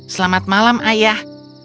selamat malam ayah